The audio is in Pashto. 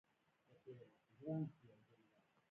منسوخ په لغت کښي رد سوی، يا ختم سوي ته وايي.